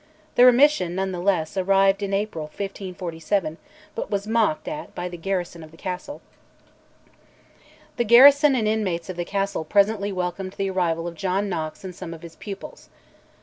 The remission, none the less, arrived early in April 1547, but was mocked at by the garrison of the castle. The garrison and inmates of the castle presently welcomed the arrival of John Knox and some of his pupils.